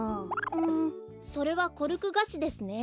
んそれはコルクガシですね。